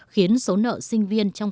khiến số nợ sinh viên trong